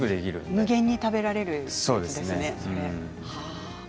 無限に食べられるものですね。